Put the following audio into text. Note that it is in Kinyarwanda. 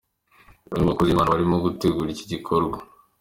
Bamwe mu bakozi b'Imana barimo gutegura iki gikorwa.